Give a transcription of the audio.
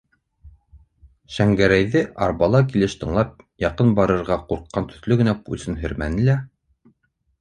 Шәңгәрәйҙе арбала килеш тыңлап, яҡын барырға ҡурҡҡан төҫлө генә пульсын һәрмәне лә: